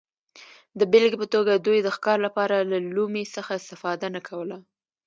د بېلګې په توګه دوی د ښکار لپاره له لومې څخه استفاده نه کوله